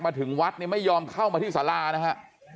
มาถึงวัดเนี่ยไม่ยอมเข้ามาที่สารานะฮะ